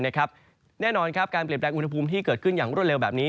แน่นอนการเปลี่ยนแปลงอุณหภูมิที่เกิดขึ้นอย่างรวดเร็วแบบนี้